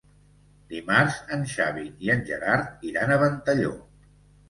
Dimarts en Xavi i en Gerard iran a Ventalló.